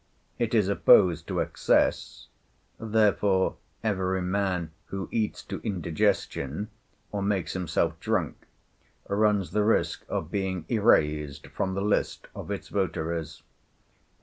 It is opposed to excess; therefore every man who eats to indigestion, or makes himself drunk, runs the risk of being erased from the list of its votaries.